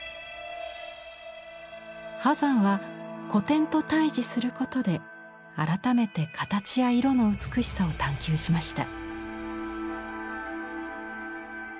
波山は古典と対じすることで改めて形や色の美しさを探求しました。